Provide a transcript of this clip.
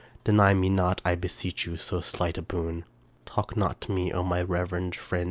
Deny me not, I beseech you, so slight a boon. Talk not to me, O my reverend friend!